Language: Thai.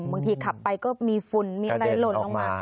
บางทีขับไปก็มีฝุ่นมีอะไรหล่นลงมา